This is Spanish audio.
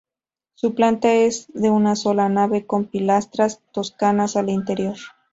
Su planta es de una sola nave con pilastras toscanas al interior.